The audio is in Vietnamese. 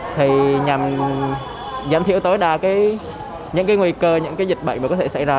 nhằm giảm thiếu tối đa những nguy cơ những dịch bệnh có thể xảy ra